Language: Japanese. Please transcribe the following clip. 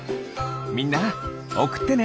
みんなおくってね！